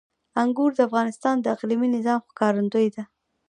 انګور د افغانستان د اقلیمي نظام ښکارندوی ده.